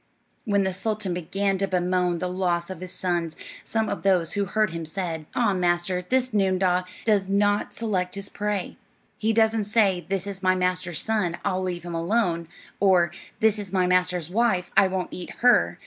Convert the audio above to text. When the sultan began to bemoan the loss of his sons, some of those who heard him said: "Ah, master, this noondah does not select his prey. He doesn't say: 'This is my master's son, I'll leave him alone,' or, 'This is my master's wife, I won't eat her.'